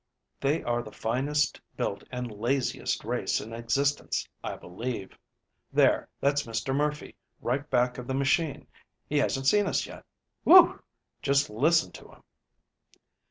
They are the finest built and laziest race in existence, I believe. There, that's Mr. Murphy, right back of the machine. He hasn't seen us yet. Whew! Just listen to him."